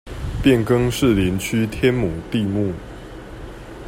變更士林區天母地目